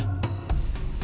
saya akan mencari mereka